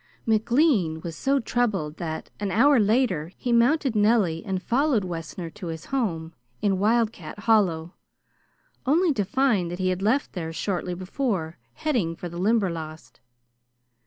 McLean was so troubled that, an hour later, he mounted Nellie and followed Wessner to his home in Wildcat Hollow, only to find that he had left there shortly before, heading for the Limberlost.